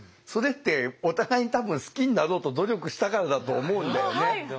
それってお互いに多分好きになろうと努力したからだと思うんだよね。